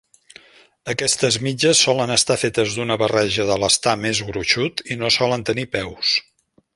Aquestes mitges solen estar fetes d'una barreja d'elastà més gruixut i no solen tenir peus.